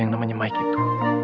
yang namanya mike itu